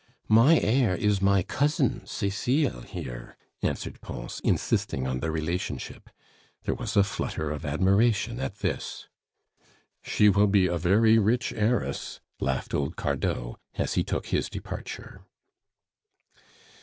"My heir is my Cousin Cecile here," answered Pons, insisting on the relationship. There was a flutter of admiration at this. "She will be a very rich heiress," laughed old Cardot, as he took his departure.